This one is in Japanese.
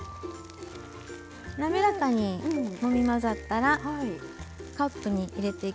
滑らかにもみ混ざったらカップに入れていきたいと思います。